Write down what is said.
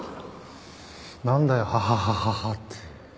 なんだよ「ハハハハハ」って。